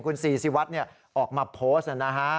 คุณศรีศิวัตรออกมาโพสต์นะฮะ